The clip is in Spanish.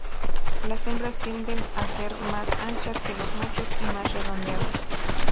Las hembras tienden a ser más anchas que los machos y más redondeadas.